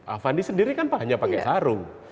avandi sendiri kan hanya pakai sarung